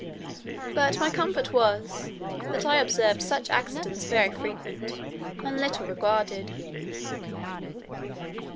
But my comfort was, that I observed such accidents very frequent, and little regarded.